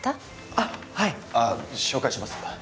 あはいああ紹介します